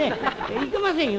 いけませんよ